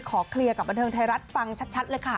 เคลียร์กับบันเทิงไทยรัฐฟังชัดเลยค่ะ